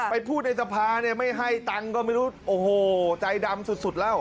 พูดในสภาเนี่ยไม่ให้ตังค์ก็ไม่รู้โอ้โหใจดำสุดแล้ว